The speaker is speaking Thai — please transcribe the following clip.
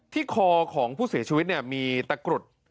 คอของผู้เสียชีวิตเนี่ยมีตะกรุด